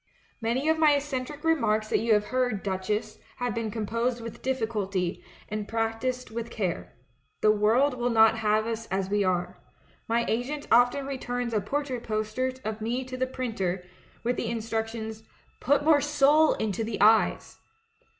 *"^Ianv of my eccentric remarks that you have heard. Duchess, have been composed with diffi culty, and practised with care. The world will not have us as we are. ^Iv assent often returns a portrait poster of me to the printer, with the in structions, 'Put more soul into the eyes'!